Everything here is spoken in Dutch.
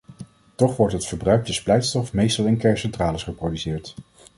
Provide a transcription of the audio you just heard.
Toch wordt verbruikte splijtstof meestal in kerncentrales geproduceerd.